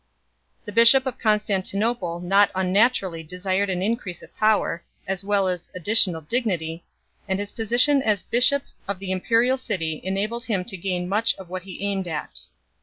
The bishop of Constantinople not unnaturally desired an increase of power, as well as additional dignity, and his position as bishop of the impe rial city enabled him to gain much of what he aimed at.